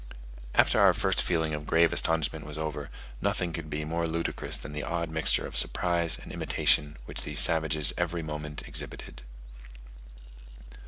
After our first feeling of grave astonishment was over, nothing could be more ludicrous than the odd mixture of surprise and imitation which these savages every moment exhibited.